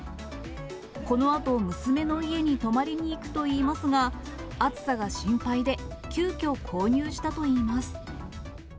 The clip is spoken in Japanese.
このあと、娘の家に泊まりに行くといいますが、暑さが心配で、急きょ、購入したといいます。